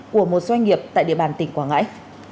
của một doanh nghiệp tại địa bàn tỉnh quảng ngãi